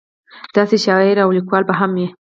داسې شاعر او لیکوال به هم وي.